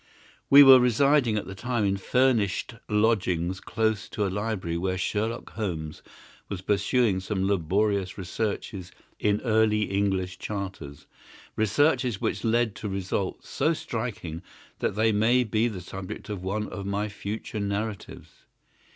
We were residing at the time in furnished lodgings close to a library where Sherlock Holmes was pursuing some laborious researches in early English charters—researches which led to results so striking that they may be the subject of one of my future narratives.